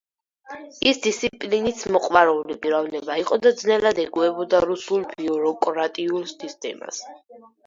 ის დისციპლინის მოყვარული პიროვნება იყო და ძნელად ეგუებოდა რუსულ ბიუროკრატიულ სისტემას.